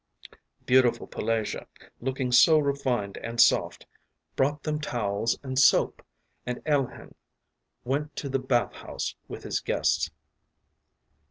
” Beautiful Pelagea, looking so refined and soft, brought them towels and soap, and Alehin went to the bath house with his guests.